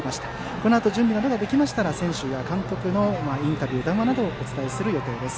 このあと準備ができましたら選手や監督などのインタビュー、談話などをお伝えする予定です。